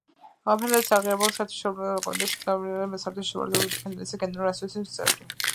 ფედერაცია აღიარებულია საერთაშორისო ოლიმპიური კომიტეტის მიერ და არის საერთაშორისო სპორტული ფედერაციების გენერალური ასოციაციის წევრი.